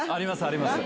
あります